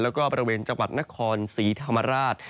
แล้วก็บริเวณจังหวัดนครศรีธรรมราช